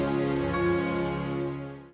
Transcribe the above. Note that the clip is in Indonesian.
nanti kamu saya transfer